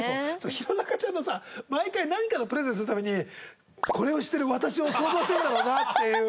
弘中ちゃんのさ毎回なんかのプレゼントするたびにこれをしてる私を想像してるんだろうなっていう。